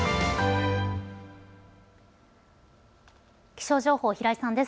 気象情報、平井さんです。